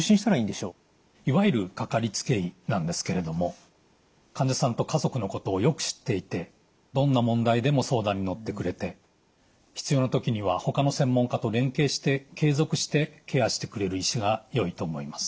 いわゆるかかりつけ医なんですけれども患者さんと家族のことをよく知っていてどんな問題でも相談に乗ってくれて必要な時にはほかの専門科と連携して継続してケアしてくれる医師がよいと思います。